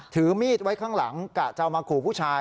ถือมีดไว้ข้างหลังกะจะเอามาขู่ผู้ชาย